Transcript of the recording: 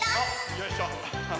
よいしょ。